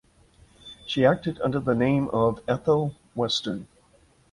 She acted under the name of Ethel Western.